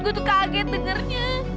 gue tuh kaget dengernya